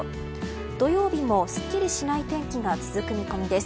土曜日も、すっきりしない天気が続く見込みです。